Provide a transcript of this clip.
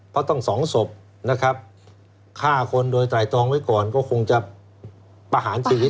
เพราะต้องสองศพนะครับฆ่าคนโดยไตรตองไว้ก่อนก็คงจะประหารชีวิต